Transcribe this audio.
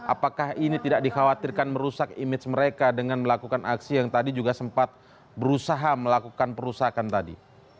apakah ini tidak dikhawatirkan merusak image mereka dengan melakukan aksi yang tadi juga sempat berusaha melakukan perusakan tadi